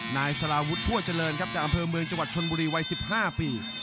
นายสาราวุฒิทั่วเจริญครับจากกับเมืองจังหวัดชนบุรีวัยสิบห้าปี